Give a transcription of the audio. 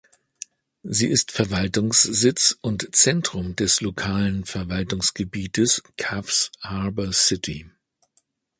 Sie ist Verwaltungssitz und Zentrum des lokalen Verwaltungsgebiets Coffs Harbour City.